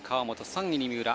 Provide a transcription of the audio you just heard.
３位、三浦。